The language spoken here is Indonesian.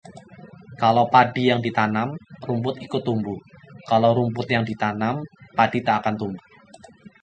Kalau padi yang ditanam, rumput ikut tumbuh; Kalau rumput yang ditanam, padi takkan tumbuh